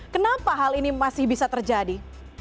kenapa hal ini masih bisa terjadi